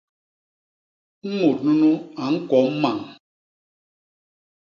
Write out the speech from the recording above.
Mut nunu a ñkwo mmañ.